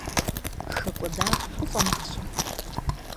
ХэкӀуэдар уфӀэмащӀэ?